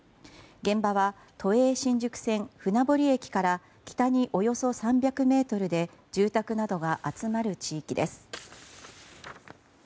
現場は、都営新宿線船堀駅から北におよそ３００ｍで住宅などが集まる地域です。